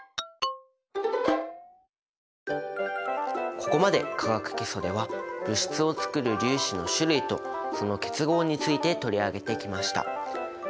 ここまで「化学基礎」では物質をつくる粒子の種類とその結合について取り上げてきました。